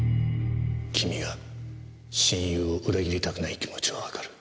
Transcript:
君が親友を裏切りたくない気持ちはわかる。